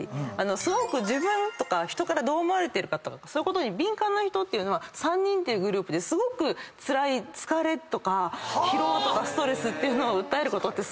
すごく自分とか人からどう思われてるかとかそういうことに敏感な人ってのは３人っていうグループですごくつらい疲れとか疲労とかストレスを訴えることってすごく多い。